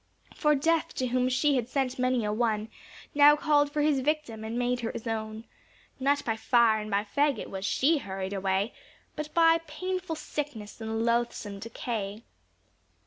For death to whom she had sent many a one, Now called for his victim, and made her his own. Not by fire and by faggot was she hurried away, But by painful sickness and loathsome decay.